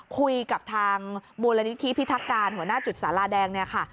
คุยกับทางมูลนิธิพิทักการหัวหน้าจุดสาราแดงเนี่ยค่ะ